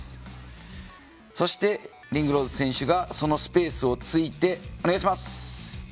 そしてリングローズ選手がそのスペースをついて。